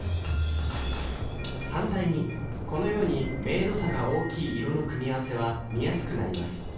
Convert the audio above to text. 反対にこのように明度差が大きい色の組み合わせは見やすくなります。